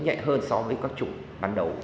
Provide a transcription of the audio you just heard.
nó sướng nhẹ hơn so với các chủng ban đầu